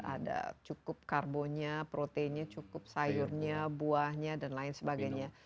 ada cukup karbonnya proteinnya cukup sayurnya buahnya dan lain sebagainya